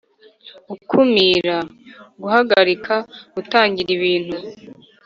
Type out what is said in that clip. gukumira: guhagarika, gutangira. ibintu